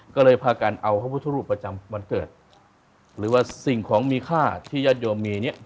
ก็เลยพากันเอาพระพุทธรูปประจำวันเกิดหรือว่าสิ่งของมีค่าที่ญาติโยมมีเนี่ย